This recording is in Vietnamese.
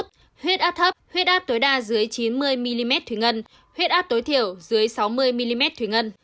huyết áp thấp huyết áp tối đa dưới chín mươi mm thủy ngân huyết áp tối thiểu dưới sáu mươi mm thủy ngân